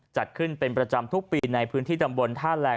จัดขึ้นเป็นประจำทุกปีในพื้นที่ตำบลท่าแรง